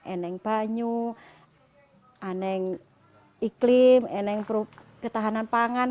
ada banyak ada iklim ada ketahanan pangan